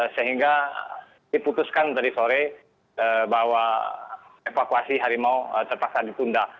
sehingga diputuskan tadi sore bahwa evakuasi harimau terpaksa ditunda